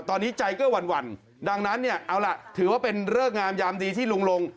ตอนนี้ใจก็หวั่นดังนั้นเนี่ยเอาล่ะถือว่าเป็นเริกงามยามดีที่ลุงลง